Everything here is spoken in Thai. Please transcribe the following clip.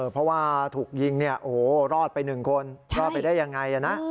เพราะว่าถูกยิงเนี่ยโอ้โหรอดไป๑คนรอดไปได้ยังไงนะ